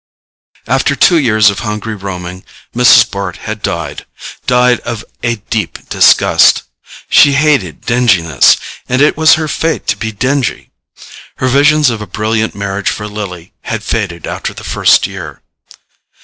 After two years of hungry roaming Mrs. Bart had died——died of a deep disgust. She had hated dinginess, and it was her fate to be dingy. Her visions of a brilliant marriage for Lily had faded after the first year.